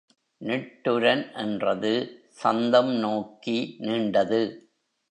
நிட்டுரன் என்றது சந்தம் நோக்கி நீண்டது.